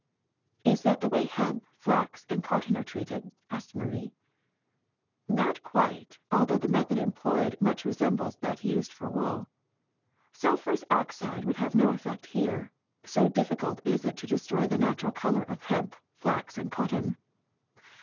'' ^^Is that the way hemp, flax, and cotton are treated? '^ asked Marie. Not quite, although the method employed much resembles that used for wool. Sulphurous oxide would have no effect here, so difficult is it to destroy the natural color of hemp, flax, and cotton.